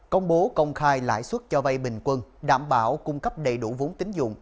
công bố công khai lãi suất cho vay bình quân đảm bảo cung cấp đầy đủ vốn tính dụng